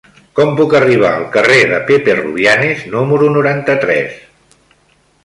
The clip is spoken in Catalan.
Com puc arribar al carrer de Pepe Rubianes número noranta-tres?